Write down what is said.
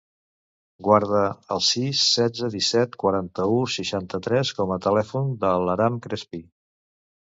Guarda el sis, setze, disset, quaranta-u, seixanta-tres com a telèfon de l'Aram Crespi.